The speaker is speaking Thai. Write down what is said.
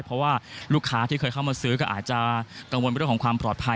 เพราะว่าลูกค้าที่เคยเข้ามาซื้อก็อาจจะกังวลเรื่องของความปลอดภัย